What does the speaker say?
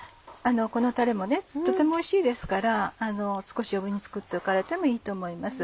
このタレもとてもおいしいですから少し余分に作っておかれてもいいと思います。